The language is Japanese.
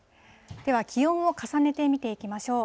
では気温を重ねて見ていきましょう。